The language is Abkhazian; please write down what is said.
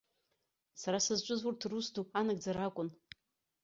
Сара сызҿыз урҭ рус ду анагӡара акәын.